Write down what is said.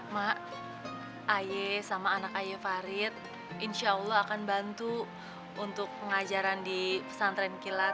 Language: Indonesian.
mak aye sama anak ayu farid insya allah akan bantu untuk pengajaran di pesantren kilat